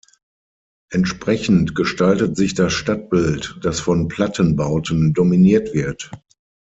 Entsprechend gestaltet sich das Stadtbild, das von Plattenbauten dominiert wird.